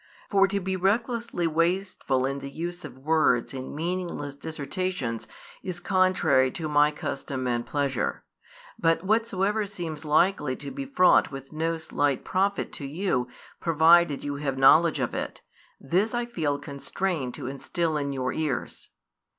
For to be recklessly wasteful in the use of words in meaningless dissertations is contrary to My custom and pleasure: but whatsoever seems likely to be fraught with no slight profit to you provided you have knowledge of it, this I feel constrained to instil in your ears.